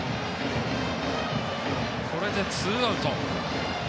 これでツーアウト。